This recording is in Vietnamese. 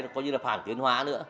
có như là phản tiến hóa nữa